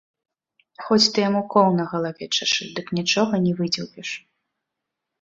Хоць ты яму кол на галаве чашы, дык нічога не выдзеўбеш.